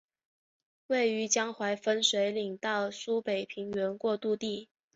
位于江淮分水岭到苏北平原过度地。